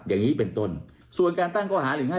อย่างนี้เป็นต้นส่วนการตั้งข้อหา๑๕